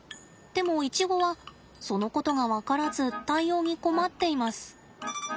でもイチゴはそのことが分からず対応に困っています。